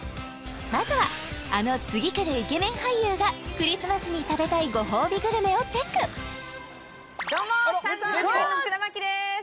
まずはあの次くるイケメン俳優がクリスマスに食べたいご褒美グルメをチェックどうも３時のヒロイン福田麻貴です